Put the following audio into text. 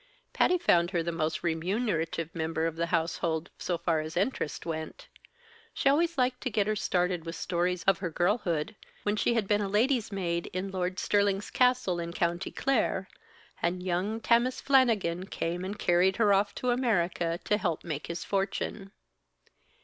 Patty found her the most remunerative member of the household, so far as interest went. She always liked to get her started with stories of her girlhood, when she had been a lady's maid in Lord Stirling's castle in County Clare, and young Tammas Flannigan came and carried her off to America to help make his fortune.